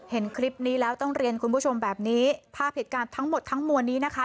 เห็นคลิปนี้แล้วต้องเรียนคุณผู้ชมแบบนี้ภาพเหตุการณ์ทั้งหมดทั้งมวลนี้นะคะ